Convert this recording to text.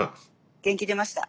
元気出ました。